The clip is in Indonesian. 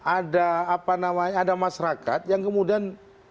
ada apa namanya ada masyarakat yang kemudian